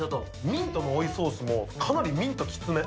ミントの追いソース、かなりミントきつめ。